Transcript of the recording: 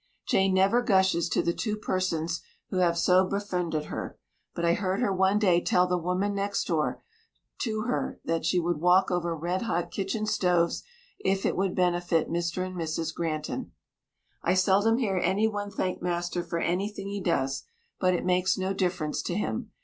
Jane never gushes to the two persons who have so befriended her, but I heard her one day tell the woman next door to her that she would walk over red hot kitchen stoves if it would benefit Mr. and Mrs. Granton. I seldom hear any one thank master for anything he does, but it makes no difference to him.